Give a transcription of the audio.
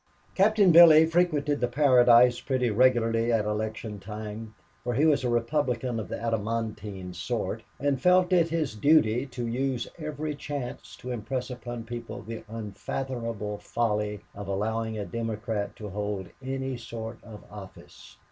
Captain Billy frequented the Paradise pretty regularly at election time, for he was a Republican of the adamantine sort and felt it his duty to use every chance to impress on people the unfathomable folly of allowing a Democrat to hold any sort of office.